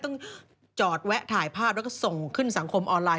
ต้องจอดแวะถ่ายภาพแล้วก็ส่งขึ้นสังคมออนไลน